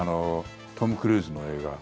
トム・クルーズの映画。